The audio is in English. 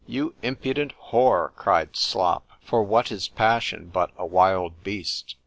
——You impudent whore! cried Slop,—(for what is passion, but a wild beast?)